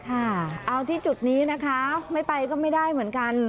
ค่ะเอาที่จุดนี้นะคะไม่ไปก็ไม่ได้เหมือนกัน